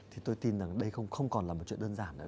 thì tôi tin rằng đây không còn là một chuyện đơn giản nữa